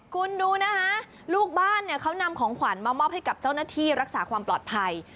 คุณดูนะคะลูกบ้านเนี่ยเขานำของขวัญมามอบให้กับเจ้าหน้าที่รักษาความปลอดภัย